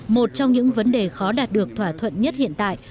một trong những vấn đề khó đạt được thỏa thuận nhất hiện tại